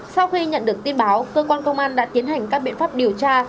sau khi nhận được tin báo cơ quan công an đã tiến hành các biện pháp điều tra